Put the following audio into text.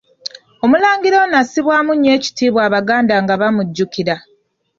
Omulangira ono assibwamu nnyo ekitiibwa Abaganda nga bamujjukira.